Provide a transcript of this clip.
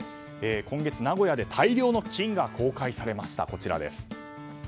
今月、名古屋で大量の金が公開されました。